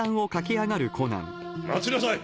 待ちなさい！